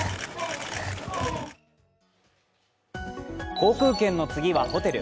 航空券の次はホテル。